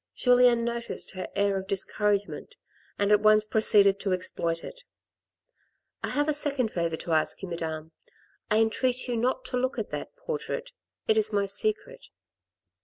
Julien noticed her air of discouragement, and at once pro ceeded to exploit it. " I have a second favour to ask you, madame. 1 entreat you not to look at that portrait; it is my secret."